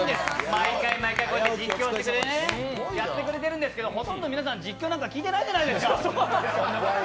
毎回毎回こうやって実況してくれてるんですけどほとんど皆さん、実況なんか聞いてないじゃないですか。